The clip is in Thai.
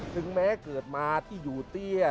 ถึงแม้เกิดมาที่อยู่เตี้ย